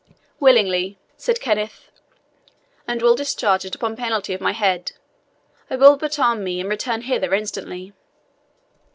"Willingly," said Kenneth; "and will discharge it upon penalty of my head. I will but arm me, and return hither instantly."